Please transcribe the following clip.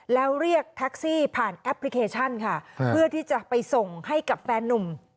แล้วเรียกแท็กซี่ผ่านแอปพลิเคชันค่ะเพื่อที่จะไปส่งให้กับแฟนนุ่ม